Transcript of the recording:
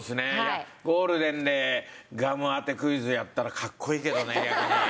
いやゴールデンでガム当てクイズやったらかっこいいけどね逆に。